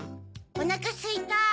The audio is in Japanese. おなかすいた。